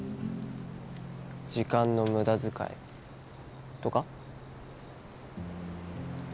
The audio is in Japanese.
時間の無駄遣いとか？